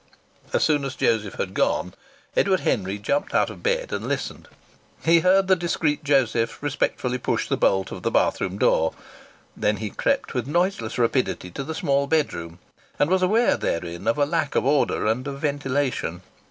As soon as Joseph had gone Edward Henry jumped out of bed and listened. He heard the discreet Joseph respectfully push the bolt of the bathroom door. Then he crept with noiseless rapidity to the small bedroom and was aware therein of a lack of order and of ventilation.